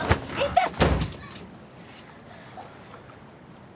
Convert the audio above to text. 痛っ！